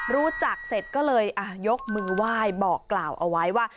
รู้จักเสร็จก็เลยยกมือไหว้บอกกล่าวเอาไว้ว่า